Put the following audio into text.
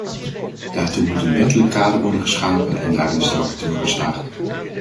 Daartoe moet een wettelijk kader worden geschapen en daarin is de rapporteur geslaagd.